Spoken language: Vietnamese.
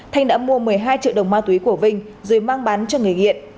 thanh đã mua một mươi hai triệu đồng ma túy của vinh rồi mang bán cho người nghiện